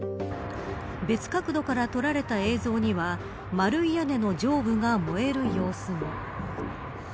別角度から撮られた映像には丸い屋根の上部が燃える様子も。